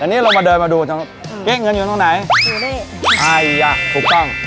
อันนี้เรามาเดินมาดูตรงเอ๊ะเงินอยู่ตรงไหนอยู่นี่ใครอ่ะถูกต้อง